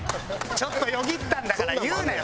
ちょっとよぎったんだから言うなよ！